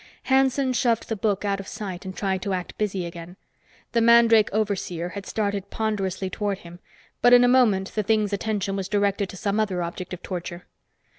Hanson shoved the book out of sight and tried to act busy again. The mandrake overseer had started ponderously toward him. But in a moment the thing's attention was directed to some other object of torture.